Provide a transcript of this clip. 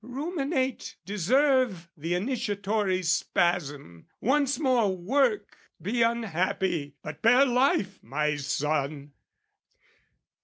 Ruminate, Deserve the initiatory spasm, once more Work, be unhappy but bear life, my son!